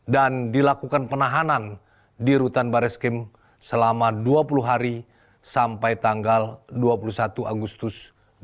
dan dilakukan penahanan di rutan baris krim selama dua puluh hari sampai tanggal dua puluh satu agustus dua ribu dua puluh tiga